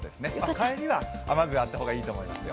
帰りは雨具があった方がいいと思いますよ。